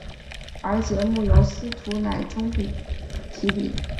而节目由司徒乃钟题笔。